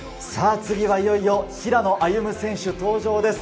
次はいよいよ平野歩夢選手登場です。